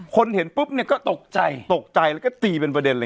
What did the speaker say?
คนเห็นปุ๊บก็ตกใจตกใจแล้วก็ตีเป็นประเด็น